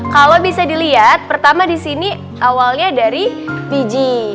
kalau bisa dilihat pertama disini awalnya dari biji